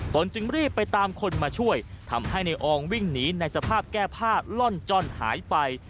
จึงรีบไปตามคนมาช่วยทำให้ในอองวิ่งหนีในสภาพแก้ผ้าล่อนจ้อนหายไป